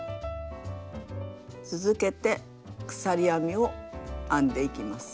続けて鎖編みを編んでいきます。